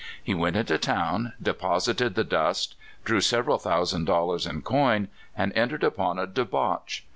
He went into town, deposited the dust, drew sev eral thousand dollars in coin, and entered upon a debauch.